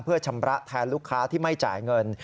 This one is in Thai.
เพื่อชำระแทนลูกค้าที่ไม่จ่ายเงิน